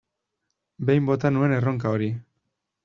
Behin bota nuen erronka hori.